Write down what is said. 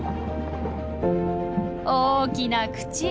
大きな口！